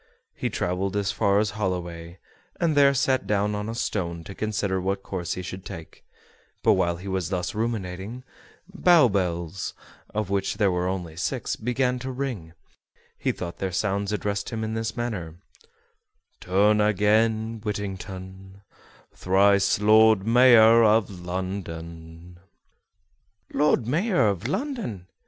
He traveled as far as Holloway, and there sat down on a stone to consider what course he should take; but while he was thus ruminating, Bow bells, of which there were only six, began to ring; and he thought their sounds addressed him in this manner: "Turn again, Whittington, Thrice Lord Mayor of London." "Lord Mayor of London!"